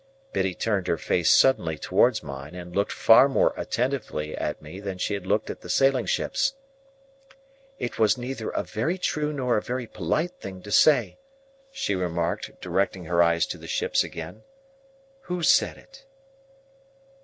Biddy turned her face suddenly towards mine, and looked far more attentively at me than she had looked at the sailing ships. "It was neither a very true nor a very polite thing to say," she remarked, directing her eyes to the ships again. "Who said it?"